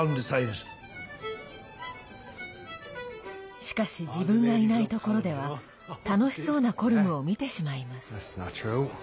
しかし、自分がいないところでは楽しそうなコルムを見てしまいます。